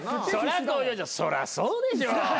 そりゃそうでしょ。